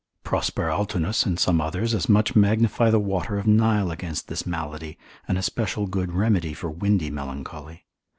Prosper Altinus and some others as much magnify the water of Nile against this malady, an especial good remedy for windy melancholy.